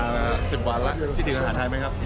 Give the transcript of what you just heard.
รอบ๔๕วันแล้วคิดถึงอาหารไทยไหมครับ